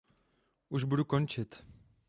Už budu končit.